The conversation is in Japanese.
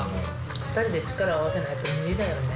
２人で力合わせないと無理だよね。